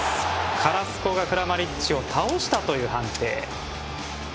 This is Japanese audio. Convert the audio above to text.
カラスコがクラマリッチを倒したという判定。